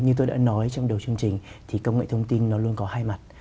như tôi đã nói trong đầu chương trình thì công nghệ thông tin nó luôn có hai mặt